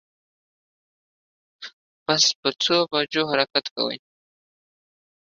بس په څو بجو حرکت کوی